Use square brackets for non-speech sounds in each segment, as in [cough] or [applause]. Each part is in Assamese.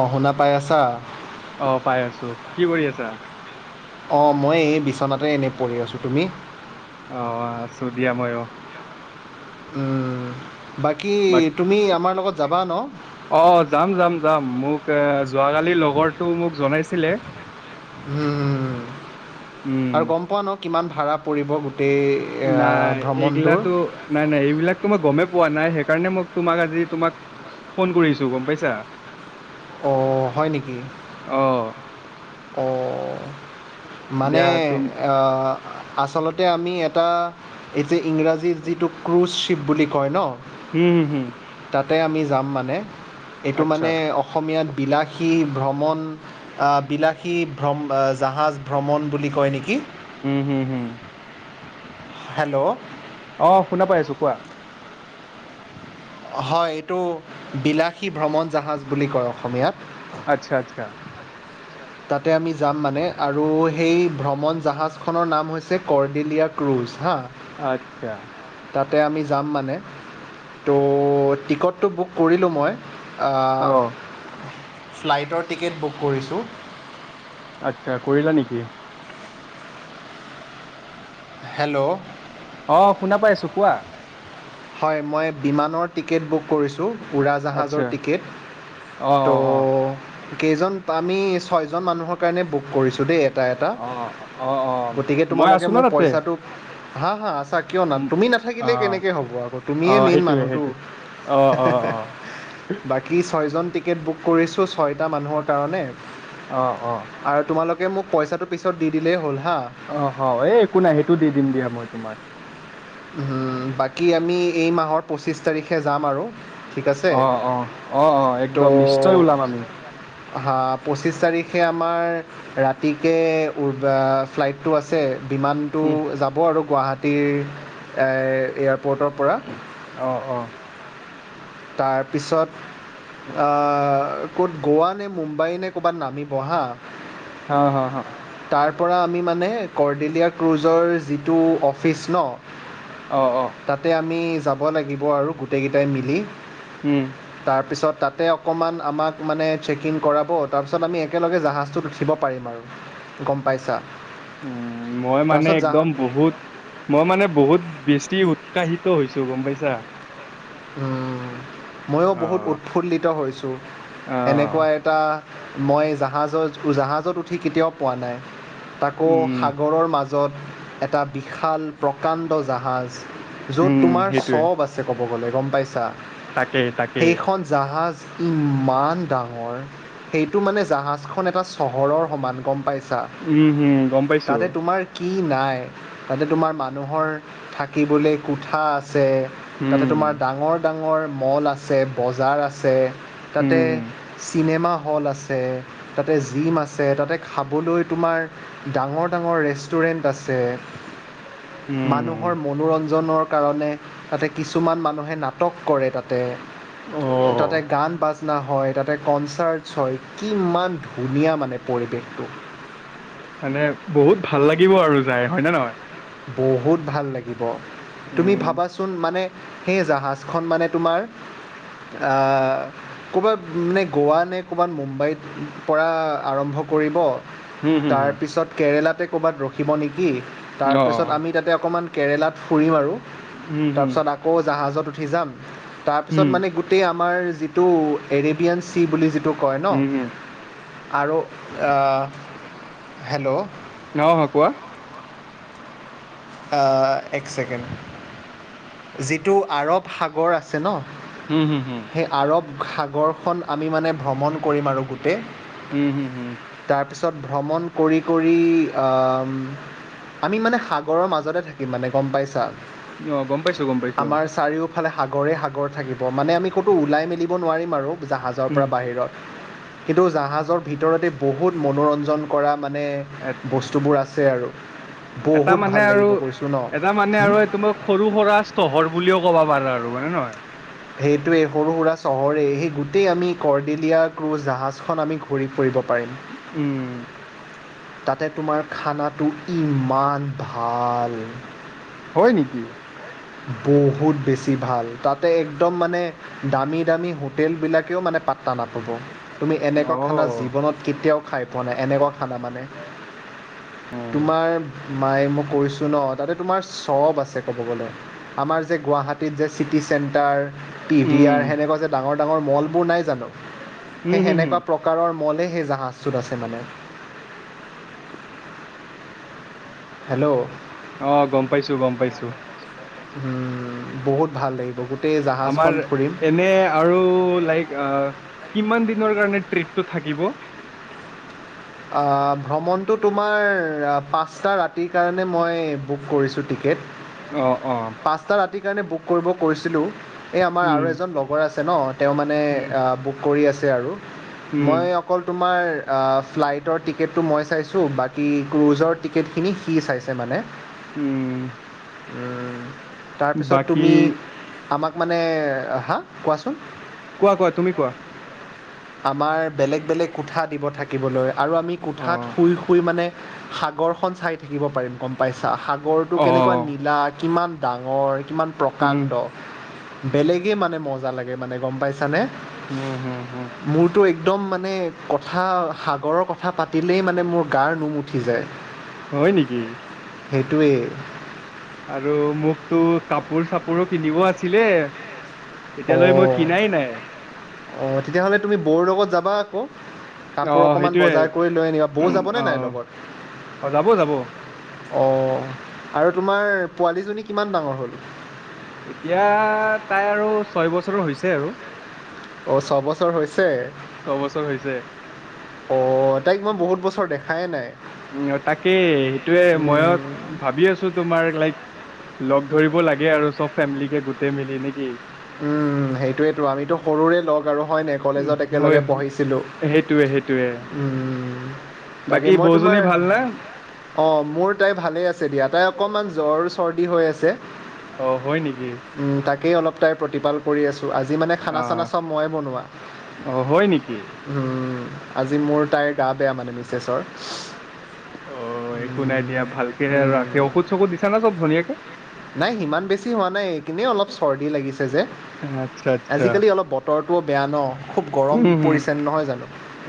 অ'! শুনা পাই আছা? অ'! পাই আছোঁ। কি কৰি আছা? অ'! মই এই, বিচনাতে এনেই পৰি আছোঁ। তুমি? অ'! আছোঁ দিয়া, মইয়ো। উম, বাকী বাক তুমি, আমাৰ লগত যাবা ন'? অ'! যাম-যাম-যাম। মোক এ, যোৱাকালি লগৰটো মোক জনাইছিলে। উম! উম আৰু গম পোৱা ন' কিমান ভাড়া পাৰিব, গোটেই? এয়া, নাই, ভ্ৰমণটোৰ এইগিলাটো নাই, নাই। এইবিলাকটো মই গমেই পোৱা নাই। সেইকাৰণে, মই তোমাক, আজি তোমাক ফোন কৰিছোঁ, গম পাইছা? অ'! হয় নেকি? অ'! অ'! মানে, দিয়া তুম আঁ আচলতে, আমি এটা এই যে, ইংৰাজীৰ যিটো, ক্ৰুজ শ্বিপ বুলি কয় ন'! উম, হোঁ, হোঁ! তাতে, আমি যাম মানে। এইটো আচ্ছা মানে, অ অসমীয়াত বিলাসী, ভ্ৰমণ, আঁ বিলাস সী ভ্ৰম, জাহাজ ভ্ৰমণ বুলি, কয় নেকি! উম, হোঁ, হোঁ! হেল্ল'? অ'! শুনা পাই আছোঁ। কোৱা? হয়! এইটো, বিলাসী ভ্ৰমণ জাহাজ বুলি কয়, অসমীয়াত। আচ্ছা, আচ্ছা। তাতে, আমি যাম মানে। আৰু সেই, ভ্ৰমণ জাহাজখনৰ নাম হৈছে, কৰ্ডেলীয়া ক্ৰুজ। আচ্ছা। তাতে, আমি যাম মানে। ত' টিকটটো বুক কৰিলোঁ, মই। অ আঁ ফ্লাইটৰ টিকেট বুক কৰিছোঁ। আচ্ছা, কৰিলা নেকি? হেল্ল'? অ'! শুনা পাই আছোঁ, কোৱা? হয়, মই বিমানৰ টিকেট বুক কৰিছোঁ। আচ্ছা উৰাজাহাজৰ টিকেট। অ অ ত' অ কেইজন? আমি, ছয়জন মানুহৰ কাৰণে, বুক কৰিছোঁ দেই। এটা, এটা। অ অ অ গতিকে, মই তোমালোকে আছো ন মোক তাতে পইচাটো হা, হা, আচ্ছা! কিয় না, উম, তুমি অ নাথাকিলে কেনেকে হ'ব আৰু? অ মিয়ে মেইন সেইটোৱে মানুহটো। সেইটোৱে অ হাঁ, অ হাঁ, হাঁ! অ বাকী, ছয়জন টিকেট বুক কৰিছোঁ, ছয়টা মানুহৰ কাৰণে। অ' অ'! আৰু তোমালোকে, মোক পইচাটো পিছত দি দিলেই হ'ল হা। অ' হ' এই, একো নাই। সেইটো দি দিম দিয়া, মই তোমাক। উম, বাকী আমি, এই মাহৰ পঁচিছ তাৰিখে যাম আৰু। ঠিক আছে অ' অ' অ' অ'! তো একদম নিশ্চয় ওলাম আমি। হা পঁচিছ তাৰিখে আমাৰ ৰাতিকে [unintelligible] ফ্লাইটটো আছে, বিমান। টো উম যাব আৰু গুৱাহাটীৰ এ এয়াৰপ'ৰ্টৰ পৰা অ অ তাৰপিছত আ ক'ত গোৱা নে মুম্বাই নে কবাত নামিব হা হা হা হ তাৰ পৰা আমি মানে কৰ্ডেলীয়া ক্ৰুজৰ যিটো অফিচ ন অ অ তাতে আমি যাব লাগিব আৰু গোটেইকেইটাই মিলি। উম তাৰপিছত তাতে অকণমান আমাক মানে চেকইন কৰাব তাৰপিছত আমি একেলগে উঠিব পাৰিম আৰু গম পাইছা। উম মই মানে তাৰপিছত একদম জাহাজ বহুত মই মানে বহুত বেছি উৎসাহিত হৈছো গম পাইছা। ময়ো অ বহুত উৎফুল্লিত হৈছোঁ অ এনেকুৱা এক এটা মই জাহাজত উঠি জাহাজত উঠি কেতিয়াও পোৱা নাই। তাকো উম সাগৰৰ মাজত এটা বিশাল প্ৰকাণ্ড জাহাজ। য'ত উম তোমাৰ সেইটোৱে চব আছে ক'ব গ'লে গম পাইছা তাকে তাকে সেইখন জাহাজ ইমান ডাঙৰ। সেইটো মানে জাহাজ খন এটা চহৰৰ সমান গম পাইছে। তা উম হম গম পাইছো তাতে তোমাৰ। কি নাই তাতে তোমাৰ মানুহৰ থাকিবলৈ কোঠা আছে। আছে তাতে উম তোমাৰ ডাঙৰ ডাঙৰ মল আছে বজাৰ আছে তাতে উম চিনেমা হল আছে তাতে জিম আছে তাতে খাবলৈ তোমাৰ ডাঙৰ ডাঙৰ ৰেষ্টুৰেণ্ট আছে। মানুহৰ উম, মনোৰঞ্জনৰ কাৰণে তাতে কিছুমান মানুহ নাটক কৰে তাতে---তাতে অ', গান বাজনা হয় তাতে কনচাৰ্টছ হয় কিমান ধুনীয়া মানে পৰিৱেশটো। মানে বহুত ভাল লাগিব আৰু যাই হয়নে নহয় বহুত ভাল লাগিব তুমি উম, ভাবাচোন মানে সেই জাহাজ খন মানে তোমাৰ আ ক'ৰবাত নে গোৱা নে ক'ৰবাত মুম্বাইত পৰা আৰম্ভ কৰিব। হুম, হুম, হুম, তাৰপিছত কেৰেলাতে ক'বাত ৰখিব নেকি? অ', অ', তাৰপিছত অ। আমি তাতে অকণমান কেৰেলাত ফুৰিম আৰু উম, হুম, তাৰপিছত আকৌ জাহাজত উঠি যাম, তাৰপিছত হুম, মানে গো গোটেই আমাৰ যিটো এৰেবিয়ান চি বুলি যিটো কয় ন হুম, হুম, আৰু আ হেল্ল'। নাও হাকুৱা। আ এক ছেকেণ্ড যিটো আৰব সাগৰ আছে ন হুম হুম হুম। সেই আৰৱ সাগৰখন আমি মানে ভ্ৰমণ কৰিম আৰু গোটেই হুম হুম হুম। তাৰপিছত ভ্ৰমণ কৰি কৰি আ আমি মানে সাগৰৰ মাজতে থাকিম মানে গম পাইছা অ', গম পাইছোঁ, গম পাইছোঁ, আমাৰ চাৰিওফালে ইফালে সাগৰে সাগৰ থাকিব মানে আমি ক'তো ওলাই মেলিব নোৱাৰিম আৰু জাহাজৰ উম, পৰা বাহিৰত। কিন্তু জাহাজৰ ভিতৰতে বহুত মনোৰঞ্জন কৰা মানে আ [unintelligible] বস্তুবোৰ আছে আৰু। এটা বহুত মানে ভাল আৰু, লাগিব কৈছোঁ ন এটা মানে আৰু তোমাৰ সৰু সুৰা চহৰ বুলিও ক'বা পাৰা আৰু মানে নহয়। সেইটোৱে সৰু সুৰা চহৰেই। সেই গোটেই আমি কৰৰ্ডিলীয়া ক্ৰুজ জাহাজখন আমি ঘূৰি ফুৰিব পাৰিম। উম। তাতে তোমাৰ খানাটো ইমান ভাল। হয় নেকি? বহুত বেছি ভাল। তাতে একদম মানে দামী দামী হোটেলবিলাকেও মানে পাত্তা নাপাব। তুমি এনেকুৱা খানা অ', জীৱনত কেতিয়াও, খাই পোৱা নাই, এনেকুৱা খানা মানে। উম, তোমাৰ মায়ে মই কৈছো ন' তাতে তোমাৰ স'ব আছে ক'ব গ'লে। আমাৰ যে গুৱাহাটীত যে city centre, P V um, R, সেনেকুৱা যে ডাঙৰ ডাঙৰ মলবোৰ নাই জানো? উম, সেই হুম, হুম, সেনেকুৱা প্ৰকাৰৰ মলেই সেই জাহাজটোত আছে মানে। হেল্ল' অ' গ'ম পাইছো গ'ম পাইছো। উম, বহুত ভাল লাগিব, গোটেই আমাৰ জাহাজখন ফুৰিম। এনে আৰু লাইক কিমান দিনৰ কাৰণে ট্টিপটো থাকিব? আ ভ্ৰমণটো তোমাৰ পাঁচটা ৰাতিৰ কাৰণে মই বুক কৰিছোঁ টি কেট। অ' অ। পাঁচটা ৰাতিৰ কাৰণে বুক কৰিব কৈছিলোঁ, এই আমাৰ উম আৰু এজন লগৰ আছে ন'। তেওঁ মানে উম আ বুক কৰি আছে আৰু। উম মই অকল তোমাৰ আ ফ্লাইট টৰ টিকেটটো মই চাইছোঁ। বাকী ক্ৰুজৰ টিকেটখিনি সি চাইছে মানে। উম। তাৰপিছত বাকী তুমি আমাক মানে, হা কোৱাচোন? কোৱা কোৱা তুমি কোৱা? আমাৰ বেলেগ বেলেগ কোঠা দিব থাকিবলৈ আৰু আমি অ কোঠাত শুই মানে, সাগৰ খন চাই থাকিব পাৰিম গ'ম পাইছা। সাগৰটো অ কেনেকুৱা নীলা কিমান ডাঙৰ, কিমান উম প্ৰকাণ্ড। বেলেগেই মানে মজা লাগে মানে, গ'ম পাইছানে? উম, হুম হুম। মোৰতো একদম মানে, কথা সাগৰৰ কথা পাতিলেই মানে মোৰ গাৰ নোম উঠি যায়। হয় নেকি? সেইটোৱে। আৰু মোকতো কাপোৰ চাপোৰো কিনিব আছিলে। অ। এতিয়ালৈ মই কিনাই নাই অ' তেতিয়াহলে তুমি বৌৰ লগত যাবা আকৌ। অ কাপোৰ অকমান সেইটোৱে বজাৰ কৰি লৈ আনিবা। বৌ যাবনে অ নাই লগত? অ যাব যাব অ' আৰু তোমাৰ পোৱালীজনী কিমান ডাঙৰ হ'ল? এতিয়া তাই আৰু ছয় বছৰো হৈছে আৰু। অ' ছবছৰ হৈছে? ছবছৰ হৈছে অ' তাইক মই বহুত বছৰ দেখাই নাই। উম, তাকে সেইটোয়ে মইও উম, ভাবি আছো তোমাৰ লাইক, লগ ধৰিব লাগে আৰু চ'ব ফেমিলিকে গোটেই মিলি নেকি? উম, সেইটোৱেতো আমিতো সৰুৰে লগ আৰু হয়নে উম, কলেজত হয় একেলগে হয়। পঢ়িছিলোঁ। সেইটোয়ে সেইটোয়ে উম, তাকে বাকী মই বৌজনী তোমাৰ ভাল না অ' মোৰ তাই ভালেই আছে দিয়া, তাই অকণমান জ্বৰ, চৰ্দি হৈ আছে। অ' হয় নেকি? উম তাকেই অলপ তাইৰ প্ৰতিপাল কৰি আছোঁ, আজি মানে খানা - চানা আহ চ'ব মই বনোৱা। অ হয় নেকি উম, আজি মোৰ তাইৰ গা বেয়া মানে মিছেছৰ। অ' একো নাই উম, দিয়া ভালকে আৰু ৰাতি উম, ঔষধ সৌষধ দিছা নে চ'ব ভনীয়েকে? নাই সিমান বেছি হোৱা নাই এনেই অলপ চৰ্দী লাগিছে যে আচ্ছা আচ্ছা আজিকালি অলপ ব তৰটোও বেয়া ন' খুব গৰম হম হম পৰিছে নহয় জানো।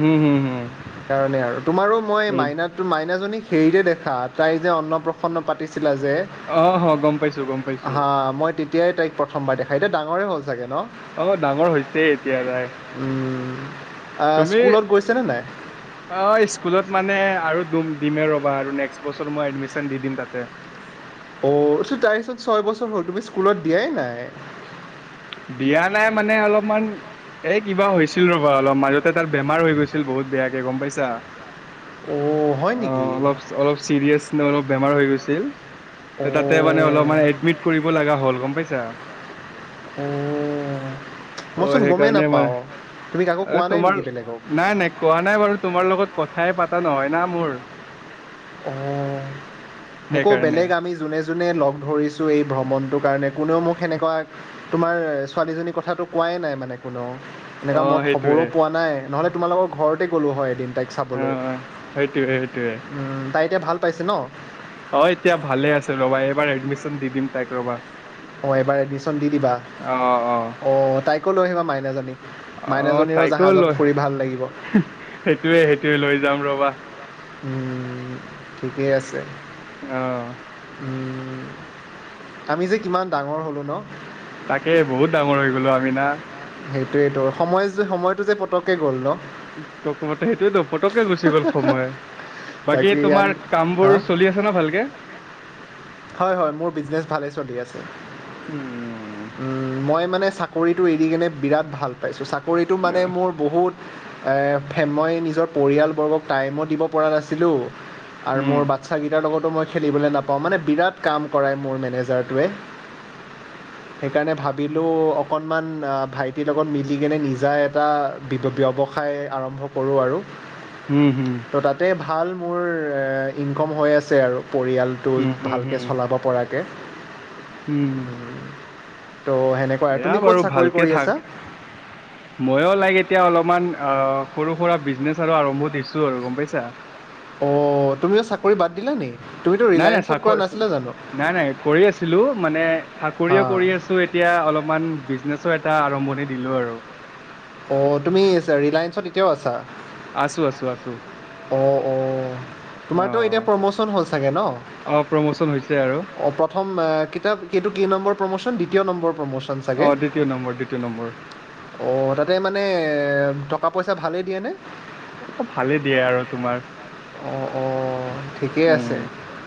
হম হম হম কাৰণে আৰু তোমাৰো মই এই- মাইনাক তোৰ মাইনাজনী হেৰিতে দেখা, তাই যে অন্ন প্ৰসন্ন পাতিছিলা যে। অহ', হ' গম পাইছো গম পাইছো হা', মই তেতিয়াই তাইক প্ৰথমবাৰ দেখা, এতিয়া ডাঙৰেই হ'ল চাগে ন? অ', ডাঙৰ হৈছেই এতিয়া তাই, উম, আহ, তুমি স্কুলত গৈছেনে নাই অ', স্কুলত মানে আৰু দুম দিমে ৰ'বা আৰু নেক্সট বছৰ মই এডমিশন দি দিম তাতে। অ', চোন তাইৰ চোন ছয় বছৰ হ'ল, তুমি স্কুলত দিয়াই নাই? দিয়া নাই মানে অলপমান এ কিবা হৈছিল ৰবা, অলপ মাজতে তাৰ বেমাৰ হৈ গৈছিল বহুত বেয়াকে গম পাইছা? অ'। হয় নেকি অ', অলপ অলপ চিৰিয়াচ ন অলপ বেমাৰ হৈ গৈছিল, ত তাতে মা নে অ' অলপমান এডমিট কৰিব লগা হ'ল, গম পাইছা? অ', অ' মইচোন গমেই সেইকাৰণে মানে নাপাও তুমি কাকো এ কোৱা নাই তোমাৰ নেকি বেলেগক? নাই নাই কোৱা নাই বাৰু তোমাৰ লগত কথাই পাতা নহয় না মোৰ। অ', মোকো সেইকাৰণে। বেলেগ আমি যোনে যোনে লগ ধৰিছোঁ এই ভ্ৰমণটোৰ কাৰণে কোনেও মোক সেনেকুৱা তোমাৰ ছোৱালীজনীৰ কথাটো কোৱাই নাই মানে কোনেও। এনেকুৱা মই অ' খবৰো সেইটোয়ে পোৱা নাই, নহ'লে তোমালোকৰ ঘৰতে গলোঁ হয় এদিন তাইক চাবলৈ। সেইটোৱেই সেইটোৱেই। ওম, তাই এতিয়া ভাল পাইছে ন? অ', এতিয়া ভালে আছে ৰবা, এইবাৰ এডমিশ্যন দি দিম তাইক ৰবা। অঁ ', এবাৰ এডমিশ্যন দি দিবা, অ অ অঁ', তাইকো লৈ আহিবা মাইনাজনীক। আহ', মাইনাজনীৰো তাইকো জাহাজত লৈ, ফুৰি ভাল লাগিব হেহ সেইটোৱে সেইটোৱে লৈ যাম ৰবা। উম', ঠিকেই আছে। অ উম', আমি যে কিমান ডাঙৰ হলো ন? তাকে বহুত ডাঙৰ হৈ গ'লো আমি না। সেইটোৱেইতো সময় যে সময়টো যে পতককে গ'ল ন? প্ৰথমতে, সেইটোৱেতো পতককে গুচি গ'ল সময়, বাকী তাকে তোমাৰ কামবোৰ হাঁ চলি আছ শুনা ভালকে? হয় হয়, মোৰ বিজনেছ ভালে চলি আছে, উম ওম মই মানে চাক কৰিটো এৰি কিনে বিৰাট ভাল পাইছোঁ, চাকৰিটো মানে অ, মোৰ বহুত এ ফে মই নিজৰ পৰিয়ালবৰ্গক টাইমো দিব পৰা নাছিলোঁ। আৰু উম মোৰ বাচ্ছাকেইটাৰ লগতো মই খেলিবলৈ নাপাওঁ মানে বিৰাট কাম কৰায় মোৰ মেনেজাৰটোৱে। [inaudible] সেইকাৰণে ভাবিলোঁ অকণমান আ, ভাইটিৰ লগত মিলিকেনে নিজা এটা বিৱ ব্যৱসায় আৰম্ভ কৰোঁ আৰু। হম, হম। ত' তাতে ভাল মোৰ এ ইনকম হৈ আছে আৰু পৰিয়ালটো উম হম ভালকে হম চলা ব পৰাকে হম হম ওম, ত' সেনে কুৱা এয়া তুমি ক'ত বাৰু চাকৰি ভালকে কৰি থাক আছা? [inaudible] ময়ো লাইক এতিয়া অলপমান অ' সৰু সুৰা বিজনেছ আৰু আৰম্ভ দিছো আৰু গম পাইছা? অ' তুমিও চাকৰি বাদ দিলা নি তুমিতো নাই নাই ৰিলায়েনচত কৰা চাকৰি নাছিলা জানো? নাই, নাই কৰি আছিলোঁ মানে হা থাকৰিও কৰি আছো এত এতিয়া অলপমান বিজনেছো এটা আৰম্ভণি দিলো আৰু। অ' তুমিচ ৰিলায়েনচত এতিয়াও আছা? আছো, আছো, আছো। অ অ'অ'তোমাৰতো এতিয়া প্ৰমচন হ'ল চাগে ন? অ' প্ৰমচন হৈছে আৰু। অ'প্ৰথম এ কিতাপ কেইটো কেই নম্বৰ প্ৰমচন দ্বিতীয় নম্বৰ প্ৰমচন। অ' দ্বিতীয় নম্বৰ, দ্বিতীয় নম্বৰ। অ'তাতে মানে টকা-পইচা ভালেই দিয়েনে? অ'ভালে দিয়ে আৰু তোমাৰ। অ'অ' ঠিকেই উম আছে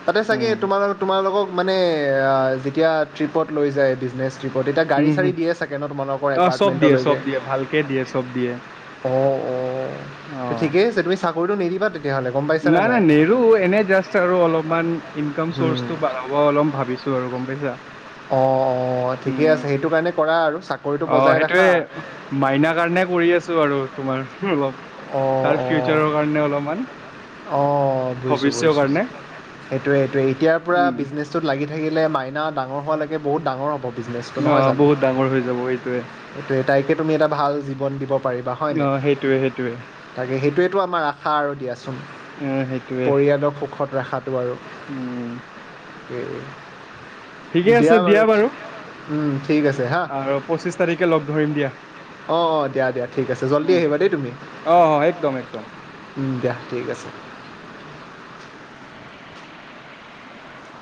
তাতে চাগে উম তোমাৰ আৰু তোমালোকক মানে আ, যেতিয়া ট্ৰিপত লৈ যায় বিজনেছ ট্ৰিপত তেতিয়া গাড়ী হম চাৰি হম দিয়ে চাগে ন' তোমালোকৰ অ চব দিয়ে চব এপাৰ্টমেণ্টলৈকে? দিয়ে ভালকে দিয়ে চব দিয়ে অ' অ' অ তে ঠিকেই আছে তুমি চাকৰিটো নেৰিবা তেতিয়াহ'লে। গম পাইছানে নাই, নাই নেৰো এনে জাষ্ট আৰু অলপমান ইনকাম চৰ্চটো বাঢ়ক। অ' অলম ভাবিছো আৰু গম পাইছা। অ' অ' ঠিকে উম আছে সেইটো কাৰণে কৰা আৰু চাকৰিটো অ বজাই ৰাখা। সেইটোয়ে মাইনা কাৰণে কৰি আছো আৰু তোমাৰ অলপ অঁ তাৰ ফিউচাৰৰ কাৰণে অলমান। অ' বুজিছো, বুজিছো সেইটোৱে, সেইটোৱে এতিয়াৰ পৰা উম বিজনেচ ছত লাগি থাকিলে মাইনা ডাঙৰ হোৱালৈকে বহুত ডাঙৰ হ'ব বিজনেছটো নহয় আহ জানো? বহুত ডাঙৰ হৈ যাব এইটোৱে এইটোৱে তাইকে তুমি এটা ভাল জীৱন দিব পাৰিবা হয় নে? অ সেইটোৱে সেইটোৱে তাকে সেইটোৱেটো আমাৰ আশা আৰু দিয়া চোন অ সেইটোৱে পৰিয়ালক সুখত ৰাখাটো আৰু। উম এ, দিয়া বাৰু উম, ঠিক আছে হা। পঁচিছ তাৰিখে লগ ধৰিম দিয়া। অ' অ' দিয়া, দিয়া ঠিক আছে জল্দি আহিবা দেই তুমি। অ'অ'একদম, একদম। উম, দিয়া ঠিক আছে দিয়া।